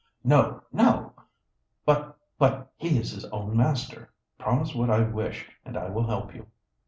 "No! no! But but he is his own master. Promise what I wish, and I will help you."